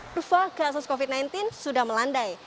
kurva kasus covid sembilan belas sudah melandai